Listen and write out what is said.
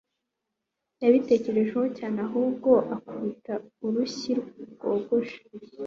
yabitekerejeho cyane ubwo yakubita urushyi rwogosha